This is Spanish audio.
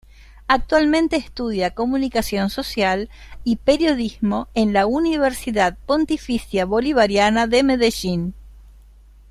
Actualmente, estudia Comunicación social y Periodismo en la Universidad Pontificia Bolivariana de Medellín.